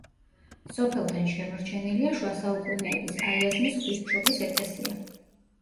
სოფელთან შემორჩენილია შუა საუკუნეების აიაზმის ღვთისმშობლის ეკლესია.